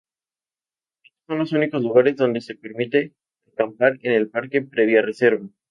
Estos son los únicos lugares donde se permite acampar en el parque previa reserva.